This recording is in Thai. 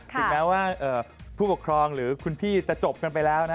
ถึงแม้ว่าผู้ปกครองหรือคุณพี่จะจบกันไปแล้วนะ